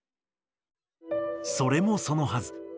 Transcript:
それもそのはず